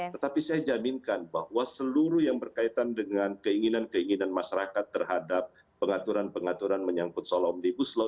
tetapi saya jaminkan bahwa seluruh yang berkaitan dengan keinginan keinginan masyarakat terhadap pengaturan pengaturan menyangkut soal omnibus law